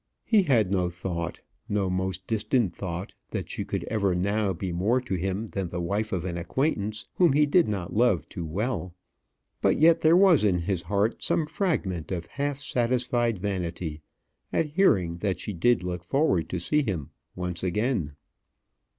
He had no thought, no most distant thought, that she could ever now be more to him than the wife of an acquaintance whom he did not love too well. But yet there was in his heart some fragment of half satisfied vanity at hearing that she did look forward to see him once again.